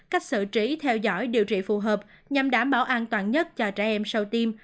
cách xử trí theo dõi điều trị phù hợp nhằm đảm bảo an toàn nhất cho trẻ em sau tim